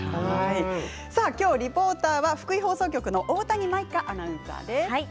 今日のリポーターは福井放送局の大谷舞風アナウンサーです。